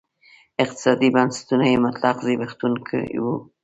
اقتصادي بنسټونه یې مطلق زبېښونکي وو.